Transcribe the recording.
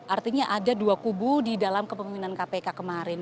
artinya ada dua kubu di dalam kepemimpinan kpk kemarin